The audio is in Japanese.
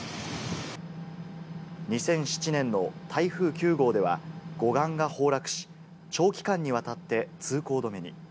２００７年の台風９号では護岸が崩落し、長期間にわたって通行止めに。